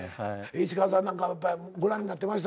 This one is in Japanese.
石川さんなんかご覧になってました？